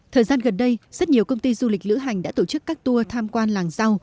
thời gian gần đây rất nhiều công ty du lịch lữ hành đã tổ chức các tour tham quan làng rau